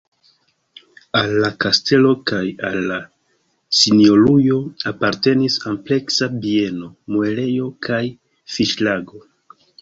Al la kastelo kaj al la sinjorujo apartenis ampleksa bieno, muelejo kaj fiŝlago.